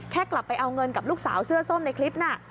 กลับไปเอาเงินกับลูกสาวเสื้อส้มในคลิปน่ะ